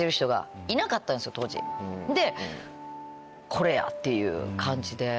でこれや！っていう感じで。